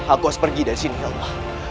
aku harus pergi dari sini ya allah